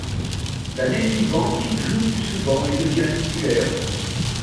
L'année suivante, il joue plus souvent et devient titulaire.